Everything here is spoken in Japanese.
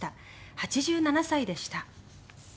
８７歳でした。